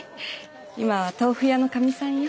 今は豆腐屋のかみさんよ。